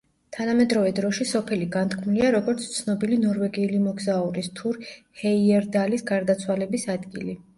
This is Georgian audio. თანამედროვე დროში სოფელი განთქმულია როგორც ცნობილი ნორვეგიელი მოგზაურის თურ ჰეიერდალის გარდაცვალების ადგილი.